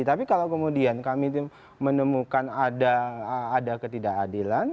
tapi kalau kemudian kami menemukan ada ketidakadilan